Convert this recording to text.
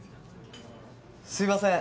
すいません！